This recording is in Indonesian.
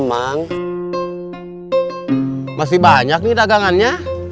masih banyak nih dagangannya